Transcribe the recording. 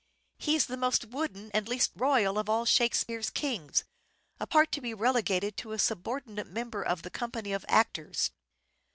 He is the most wooden and least royal of all Shake speare's kings ; a part to be relegated to a subordinate member of the company of actors.